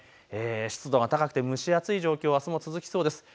湿度が高くて蒸し暑い状況あすも続きそうです。